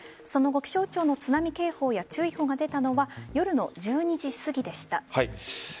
その後、気象庁の津波警報や注意報が出たのは夜の１２時すぎでした。